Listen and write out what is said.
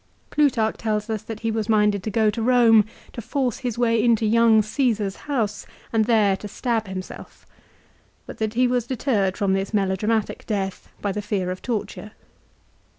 Plutarch tells us that he was minded to go to Eome, to force his way into young Csesar's house and there to stab himself; but that he was deterred from this melodramatic death by the fear of torture.